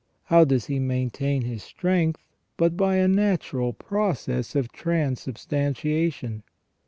how does he maintain his strength, but by a natural process of transubstantiation